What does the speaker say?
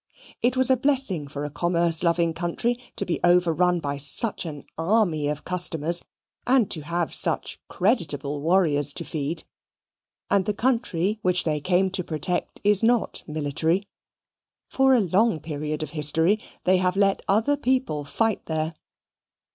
It was a blessing for a commerce loving country to be overrun by such an army of customers: and to have such creditable warriors to feed. And the country which they came to protect is not military. For a long period of history they have let other people fight there.